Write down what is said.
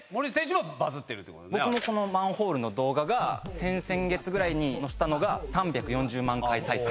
このマンホールの動画が先々月ぐらいに載せたのが３４０万回再生。